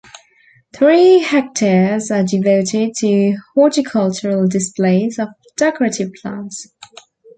Three hectares are devoted to horticultural displays of decorative plants.